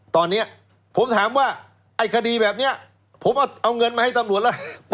ตอนนี้ผมถามว่าไอ้คดีแบบนี้ผมเอาเงินมาให้ตำรวจแล้ว